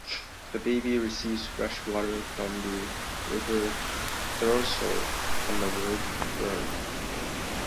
The bay receives fresh water from the River Thurso and the Wolf Burn.